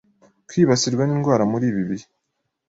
kwibasirwa n’indwara muri ibi bihe.